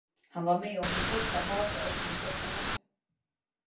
Han var med om min första hare och min första räv.